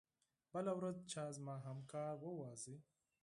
بله ورځ چا زما همکار وواژه.